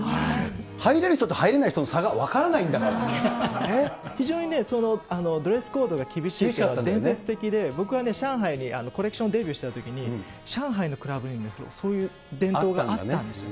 入れる人と入れない人の差が分か非常にね、ドレスコードが厳しいというのは伝説的で、僕は上海にコレクションデビューしたときに、上海のクラブにもそういう伝統があったんですよ。